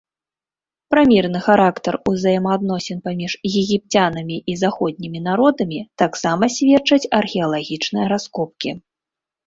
Пра мірны характар узаемаадносін паміж егіпцянамі і заходнімі народамі таксама сведчаць археалагічныя раскопкі.